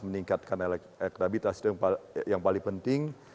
meningkatkan elektabilitas itu yang paling penting